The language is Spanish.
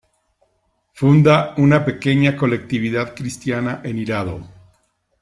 Funda una pequeña colectividad cristiana en Hirado.